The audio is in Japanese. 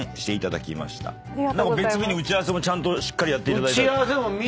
別日に打ち合わせもちゃんとしっかりやっていただいて。